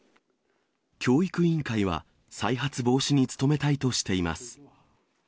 教育委員会は、再発防止に努めたいとしています。